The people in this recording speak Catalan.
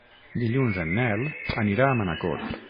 Dilluns en Nel anirà a Manacor.